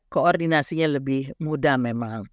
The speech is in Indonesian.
koordinasinya lebih mudah memang